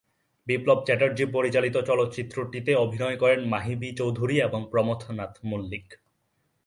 বিপ্লব চ্যাটার্জি পরিচালিত চলচ্চিত্রটিতে অভিনয় করেন মাহি বি চৌধুরী এবং প্রমথনাথ মল্লিক।